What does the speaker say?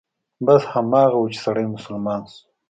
بس هماغه و چې سړى مسلمان شو.